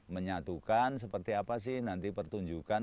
menyatukan seperti apa sih nanti pertunjukan